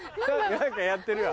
何かやってるわ。